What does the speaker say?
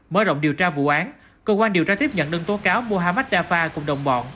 mở rộng điều tra vụ án cơ quan điều tra tiếp nhận đơn tố cáo mohamad dafa cùng đồng bọn